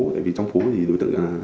tại vì trong phố thì đối tượng